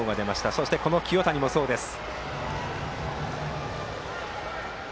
そして、この清谷もそうです。